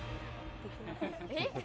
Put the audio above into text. えっ？